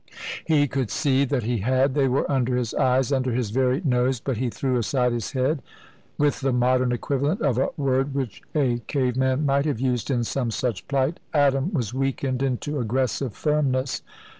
He could see that he had; they were under his eyes, under his very nose, but he threw aside his head, with the modern equivalent of a word which a cave man might have used in some such plight. Adam was weakened into aggressive firmness.